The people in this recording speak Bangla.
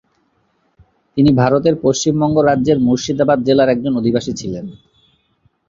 তিনি ভারতের পশ্চিমবঙ্গ রাজ্যের মুর্শিদাবাদ জেলার একজন অধিবাসী ছিলেন।